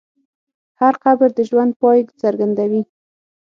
هر قبر د ژوند پای څرګندوي.